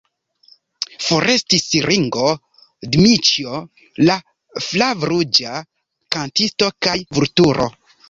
Forestis Ringo, Dmiĉjo, la flavruĝa kantisto kaj Vulturo!